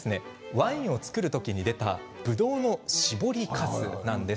ワインを造る時に出たぶどうの搾りかすです。